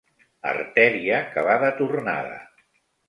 Artèria que va de tornada.